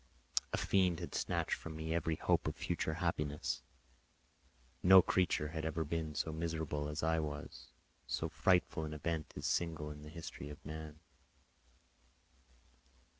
A fiend had snatched from me every hope of future happiness; no creature had ever been so miserable as I was; so frightful an event is single in the history of man.